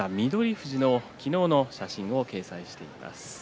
富士の昨日の写真を掲載しています。